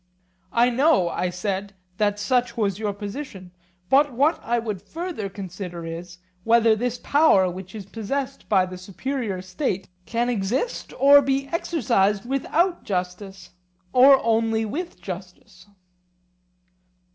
I know, I said, that such was your position; but what I would further consider is, whether this power which is possessed by the superior state can exist or be exercised without justice or only with justice.